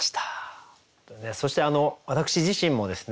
そして私自身もですね